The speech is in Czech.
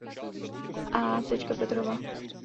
A. Petrova.